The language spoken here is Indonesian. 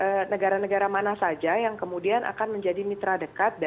terkait dengan negara negara mana saja yang kemudian akan menjadi mitra dekat dari amerika tenggara